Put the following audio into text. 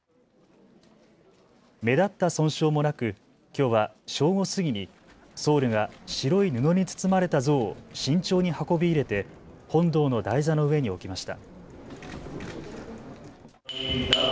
目立った損傷もなく、きょうは正午過ぎに僧侶が白いに布に包まれた像を慎重に運び入れて本堂の台座の上に置きました。